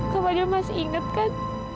kak fadil masih ingat kan